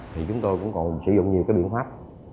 thì chúng tôi cũng còn sử dụng nhiều cái biện pháp